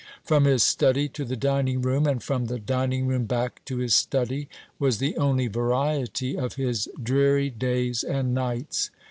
From his study to the dining room, and from the dining room back to his study, was the only variety of his dreary days and nights.